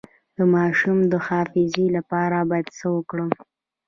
د ماشوم د حافظې لپاره باید څه ورکړم؟